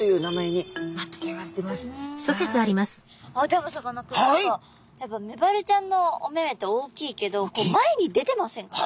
でもさかなクンやっぱメバルちゃんのお目々って大きいけど前に出てませんか？